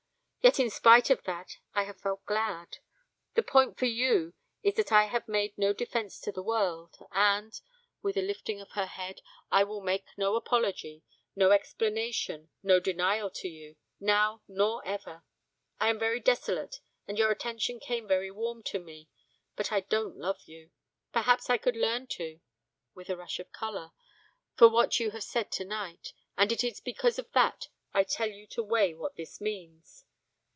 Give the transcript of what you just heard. Yet in spite of that I have felt glad. The point for you is that I made no defence to the world, and (with a lifting of her head) I will make no apology, no explanation, no denial to you, now nor ever. I am very desolate and your attention came very warm to me, but I don't love you. Perhaps I could learn to (with a rush of colour), for what you have said tonight, and it is because of that I tell you to weigh what this means.